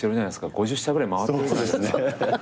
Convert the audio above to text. ５０社ぐらい回ってるじゃないですか。